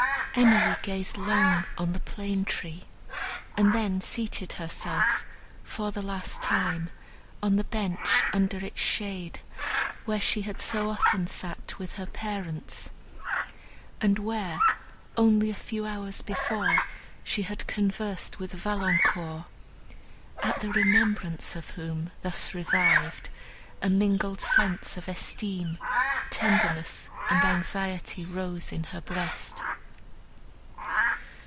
Emily gazed long on the plane tree, and then seated herself, for the last time, on the bench under its shade, where she had so often sat with her parents, and where, only a few hours before, she had conversed with Valancourt, at the remembrance of whom, thus revived, a mingled sensation of esteem, tenderness and anxiety rose in her breast.